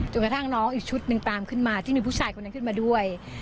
กระทั่งน้องอีกชุดหนึ่งตามขึ้นมาที่มีผู้ชายคนนั้นขึ้นมาด้วย